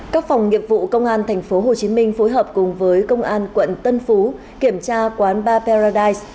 các phòng nghiệp vụ công an tp hcm phối hợp cùng với công an quận tân phú kiểm tra quán ba peladise